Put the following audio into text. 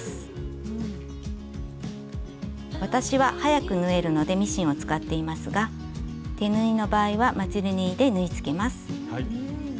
私は早く縫えるのでミシンを使っていますが手縫いの場合はまつり縫いで縫いつけます。